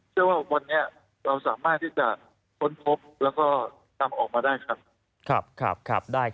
เชื่อว่าวันนี้เราสามารถที่จะค้นพบแล้วก็นำออกมาได้ครับ